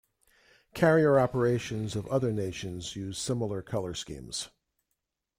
Carrier operations of other nations use similar color schemes.